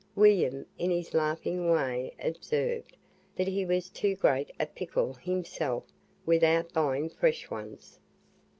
William, in his laughing way, observed, "that he was too great a pickle himself, without buying fresh ones."